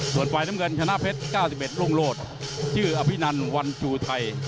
ส่วนฝ่ายน้ำเงินชนะเพชร๙๑รุ่งโลศชื่ออภินันวันจูไทย